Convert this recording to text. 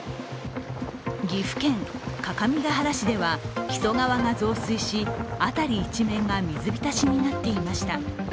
岐阜県各務原市では木曽川が増水し辺り一面が水浸しになっていました。